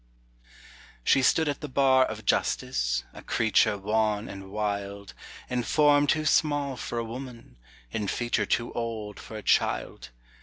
She stood at the bar of justice, A creature wan and wild, In form too small for a woman, In feature too old for a child.